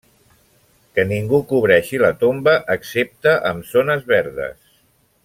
Que ningú cobreixi la tomba excepte amb zones verdes.